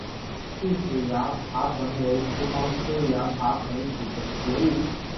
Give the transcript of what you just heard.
细齿崖爬藤为葡萄科崖爬藤属的植物。